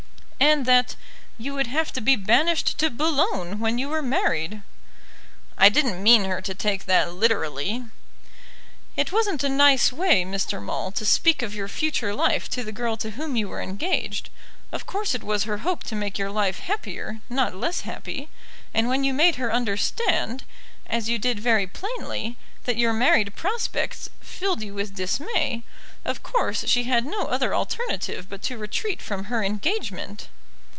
"And that you would have to be banished to Boulogne when you were married." "I didn't mean her to take that literally." "It wasn't a nice way, Mr. Maule, to speak of your future life to the girl to whom you were engaged. Of course it was her hope to make your life happier, not less happy. And when you made her understand as you did very plainly that your married prospects filled you with dismay, of course she had no other alternative but to retreat from her engagement."